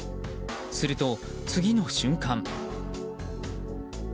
すると、次の瞬間。